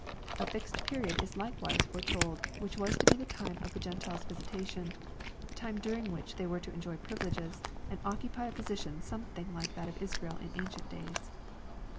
Afixedperiod is likewise foretold which was to be the time of the Gentiles' visitation, the time during which they were to enjoy privileges, and occupy a position something like that of Israel in ancient days.